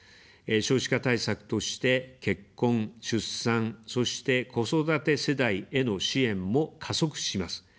少子化対策として、結婚・出産、そして子育て世代への支援も加速します。